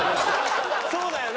そうだよな！